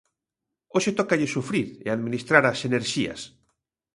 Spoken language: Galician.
Hoxe tócalle sufrir e administrar as enerxías.